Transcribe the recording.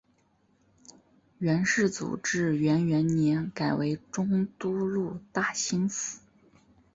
元世祖至元元年改为中都路大兴府。